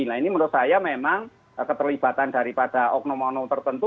nah ini menurut saya memang keterlibatan daripada oknum oknum tertentu